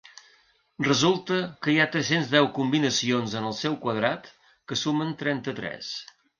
Resulta que hi ha tres-cents deu combinacions en el seu quadrat que sumen trenta-tres.